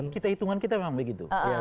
kita hitungan kita memang begitu